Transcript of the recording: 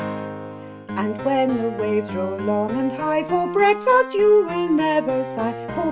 3. And when the waves roll long and high, For breakfast you will never sigh ; 4.